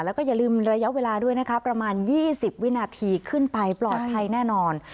แล้วก็อย่าลืมระยะเวลาด้วยนะคะประมาณ๒๐วินาทีขึ้นไปปลอดภัยแน่นอน